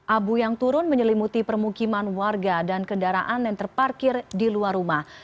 abu yang turun menyelimuti permukiman warga dan kendaraan yang terparkir di luar rumah